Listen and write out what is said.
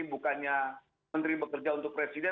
bukannya menteri bekerja untuk presiden